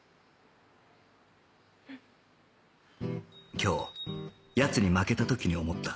今日奴に負けた時に思った